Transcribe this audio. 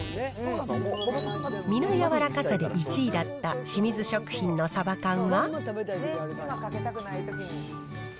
身の柔らかさで１位だった清水食品のサバ缶は。